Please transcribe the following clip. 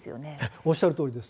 おっしゃるとおりです。